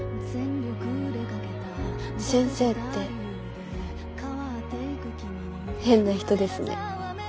先生って変な人ですね。